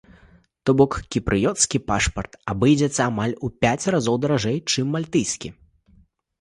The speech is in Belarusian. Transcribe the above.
То бок кіпрыёцкі пашпарт абыдзецца амаль у пяць разоў даражэй, чым мальтыйскі.